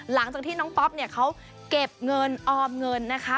หลังจากที่น้องป๊อปเนี่ยเขาเก็บเงินออมเงินนะคะ